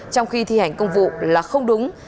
trong khi thi hành công vụ là không đúng